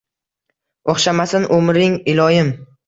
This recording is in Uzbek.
O’xshamasin umring, iloyim.